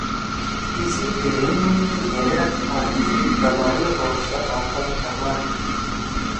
ایِسی دھیریِن گھرأد آں ایِسی تباریخ او ثقافت تباہ کی۔